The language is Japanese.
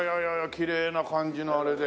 きれいな感じのあれで。